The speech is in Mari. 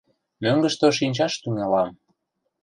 Мӧҥгыштӧ шинчаш тӱҥалам.